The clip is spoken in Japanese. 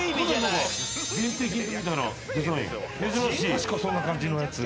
確かそんな感じのやつ。